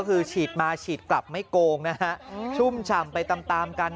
คือฉีดมาฉีดกลับไม่โกงนะฮะชุ่มฉ่ำไปตามตามกัน